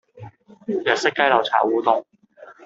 日式雞柳炒烏冬